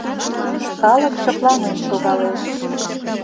Калык шыпланен шогалеш.